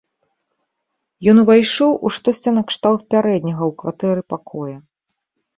Ён увайшоў у штосьці накшталт пярэдняга ў кватэры пакоя.